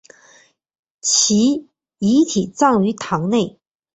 其遗体葬于堂内。